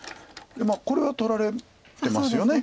これは取られてますよね。